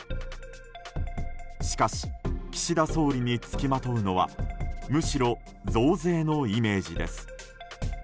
しかし岸田総理に付きまとうのはむしろ増税のイメージです。